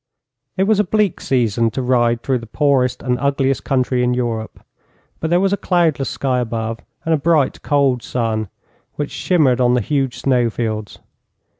It was a bleak season to ride through the poorest and ugliest country in Europe, but there was a cloudless sky above, and a bright, cold sun, which shimmered on the huge snowfields.